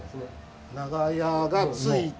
長屋がついた。